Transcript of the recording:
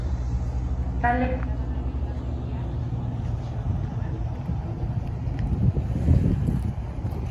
Talde katalanaren lan berria, aurreko diskoak bezala, autoekoizpenaren bidetik iritsiko da.